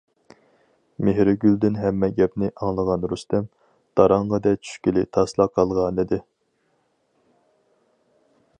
-مېھرىگۈلدىن ھەممە گەپنى ئاڭلىغان رۇستەم، داراڭڭىدە چۈشكىلى تاسلا قالغانىدى.